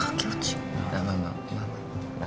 まあまあまあまあ何か。